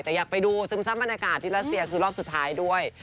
แต่อยากไปดูซึมซับบรรยากาศที่รัสเซียคือรอบสุดท้ายด้วย